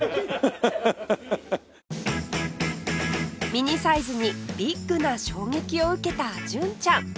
ミニサイズにビッグな衝撃を受けた純ちゃん